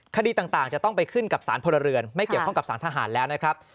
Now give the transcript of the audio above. คดีต่างจะต้องไปขึ้นกับสารพลเรือนไม่เกี่ยวข้องกับสารทหารแล้วนะครับ